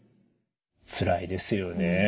つらいですよね。